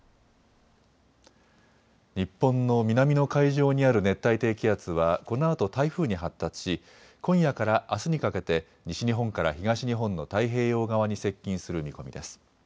日本の南の海上にある熱帯低気圧はこのあと台風に発達し今夜からあすにかけて西日本から東日本の太平洋側に接近する見込みです。